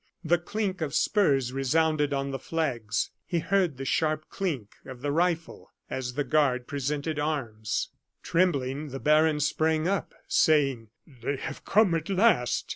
The clink of spurs resounded on the flags; he heard the sharp clink of the rifle as the guard presented arms. Trembling, the baron sprang up, saying: "They have come at last!"